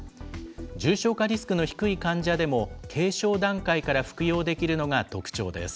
重症化リスクの低い患者でも軽症段階から服用できるのが特長です。